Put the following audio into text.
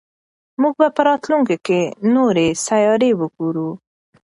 موږ به په راتلونکي کې نورې سیارې وګورو.